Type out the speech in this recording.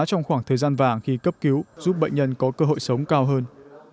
trong khoảng thời gian vàng khi cấp cứu giúp bệnh nhân có cơ hội sống cao hơn